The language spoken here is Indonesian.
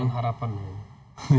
tidak sesuai dengan harapan